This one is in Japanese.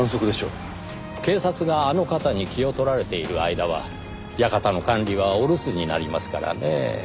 警察があの方に気を取られている間は館の管理はお留守になりますからねぇ。